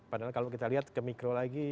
padahal kalau kita lihat ke mikro lagi